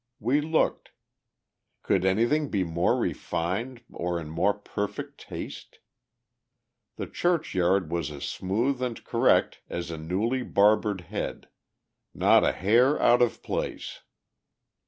We looked. Could anything be more refined or in more perfect taste? The churchyard was as smooth and correct as a newly barbered head, not a hair out of place.